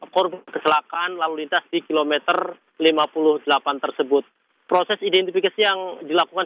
korban kecelakaan lalu lintas di kilometer lima puluh delapan tersebut proses identifikasi yang dilakukan